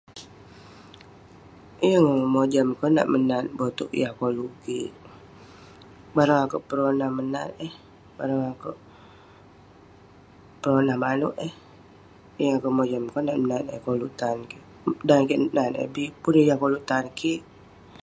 Yeng mojam konak menat boteuk yah koluk kik. Bareng akeuk peronah menat eh. Bareng akeuk peronah maneuk eh. Yeng kouk mojam konak nat eh koluk tan kik, dan kek nat eh bik pun yah koluk tan kik.